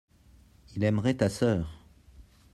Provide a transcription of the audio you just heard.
il aimerait ta sœur.